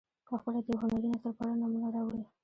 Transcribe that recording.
پخپله د یو هنري نثر په اړه نمونه راوړي.